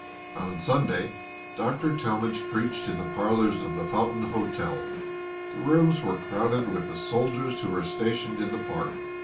On Sunday Dr. Talmage preached in the parlours of the Fountain Hotel. The rooms were crowded with the soldiers who were stationed in the park.